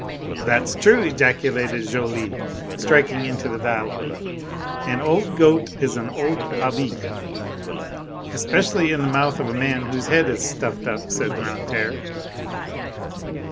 "That's true," ejaculated Joly, striking into the dialogue, "an old goat is an old abi" (ami, friend). "Especially in the mouth of a man whose head is stuffed up," said Grantaire.